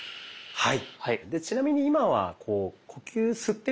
はい。